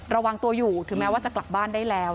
ระวังตัวอยู่ถึงแม้ว่าจะกลับบ้านได้แล้ว